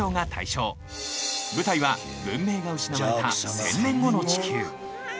舞台は文明が失われた１，０００年後の地球。